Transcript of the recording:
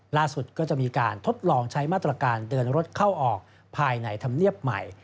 ล่าสุดก็จะมีการทดลองใช้มาตรการเดินรถเข้าออกภายในธรรมเนียบใหม่